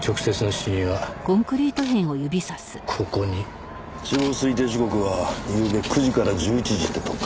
死亡推定時刻はゆうべ９時から１１時ってとこか。